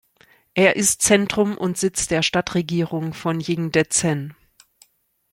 Er ist Zentrum und Sitz der Stadtregierung von Jingdezhen.